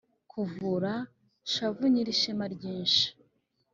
kavura-shavu nyirishema ryinshi,